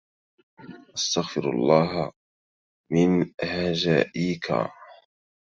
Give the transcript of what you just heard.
أستغفر الله من هجائيكا